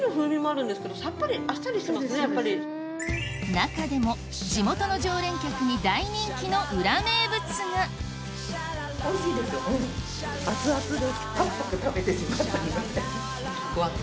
中でも地元の常連客に大人気の裏名物がうん！何だ？